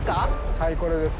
はい、これです。